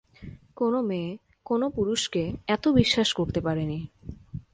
কোনো মেয়ে কোনো পুরুষকে এত বিশ্বাস করতে পারে নি।